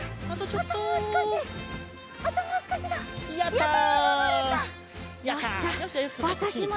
やった！